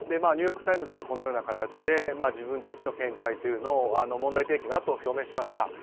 ニューヨーク・タイムズがこのような形で自分たちの見解を問題提起のあとに表明しました。